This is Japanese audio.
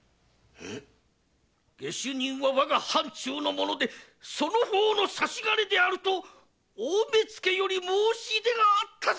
下手人は我が藩中の者でその方の差し金であると大目付より申し出があったぞ！